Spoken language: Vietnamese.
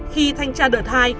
khi thanh tra đợt hai